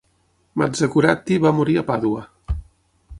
Mazzacurati va morir a Pàdua.